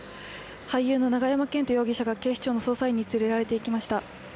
俳優の永山絢斗容疑者が警視庁の捜査員に連れられてきました。